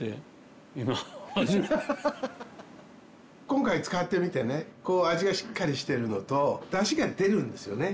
今回使ってみてね味がしっかりしているのとだしが出るんですよね。